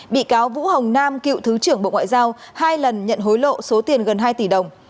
bị cáo vũ hồng nam cựu thứ trưởng bộ ngoại giao hai lần nhận hối lộ số tiền gần hai tỷ đồng